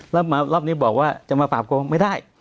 แล้วมารอบนี้บอกว่าจะมาปราบโกงไม่ได้